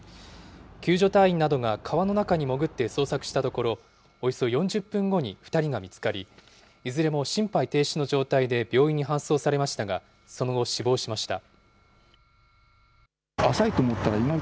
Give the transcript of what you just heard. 救助隊員などが川の中に潜って捜索したところ、およそ４０分後に２人が見つかり、いずれも心肺停止の状態で病院に搬送されましたが、その後死亡しました。